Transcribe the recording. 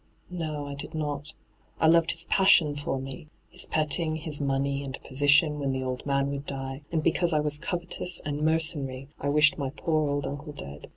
' No, I did not. I loved his passion for me — his petting, his money and position when the old man would die ; and because I was covetous and mercenary I wished my poor old uncle dead.